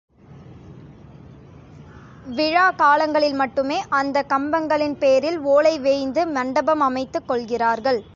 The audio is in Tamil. விழாக் காலங்களில் மட்டுமே அந்தக் கம்பங்களின் பேரில் ஓலை வேய்ந்து மண்டபம் அமைத்துக் கொள்கிறார்கள்.